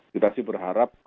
kita sih berharap